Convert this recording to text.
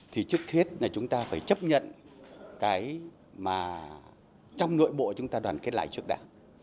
thì trước hết là chúng ta phải chấp nhận cái mà trong nội bộ chúng ta đoàn kết lại trước đảng